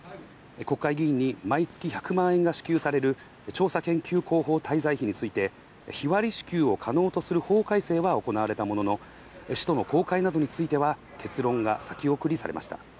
国会議員に毎月１００万円が支給される調査研究広報滞在費について日割り支給を可能とする法改正は行われたものの、使途の公開などについては結論が先送りされました。